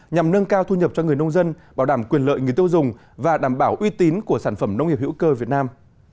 nhằm nâng cao thu nhập cho người nông dân bảo đảm quyền lợi người tiêu dùng và đảm bảo uy tín của sản phẩm nông nghiệp hữu cơ việt nam